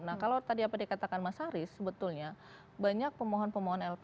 nah kalau tadi apa dikatakan mas haris sebetulnya banyak pemohon pemohon lp